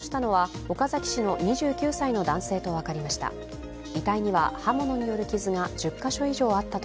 死亡したのは、岡崎市の２９歳の男性と分かりました。